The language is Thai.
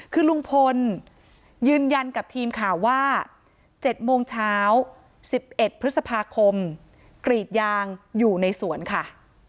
คือลุงพลยืนยันกับทีมข่าวว่า๗โมงเช้า๑๑พฤษภาคมกรีดยางอยู่ในสวนค่ะ